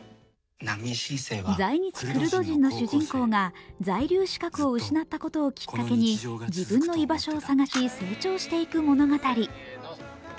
在日クルド人の主人公が在留資格を失ったことをきっかけに自分の居場所を探し成長していく物語。